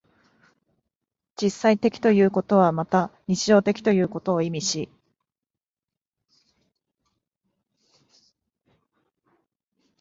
実際的ということはまた日常的ということを意味し、